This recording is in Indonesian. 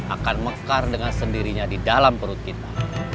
akan mekar dengan sendirinya di dalam perut kita